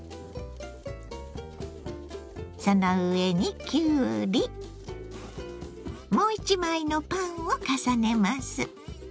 その上にきゅうりもう１枚のパンを重ねます。